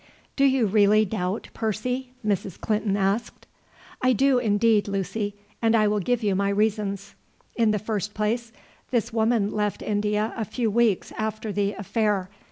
"Do you really doubt, Percy?" Mrs. Clinton asked. "I do indeed, Lucy; and I will give you my reasons. In the first place, this woman left India a few weeks after the affair.